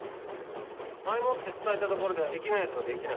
前もって伝えたところでできないやつはできない。